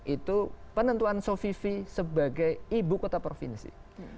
itu penentuan sovivi sebagai ibu kota provinsi